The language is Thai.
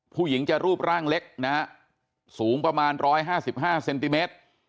ผู้หญิงจะรูปร่างเล็กนะฮะสูงประมาณ๑๕๕เซนติเมตร